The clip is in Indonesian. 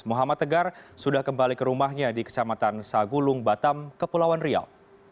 muhammad tegar sudah kembali ke rumahnya di kecamatan sagulung batam kepulauan riau